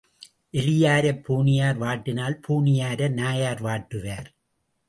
எலியாரைப் பூனையார் வாட்டினால் பூனையாரை நாயார் வாட்டுவார்.